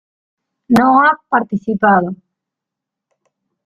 No ha participado